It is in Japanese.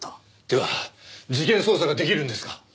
では事件捜査が出来るんですか？